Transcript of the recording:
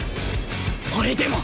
俺でも。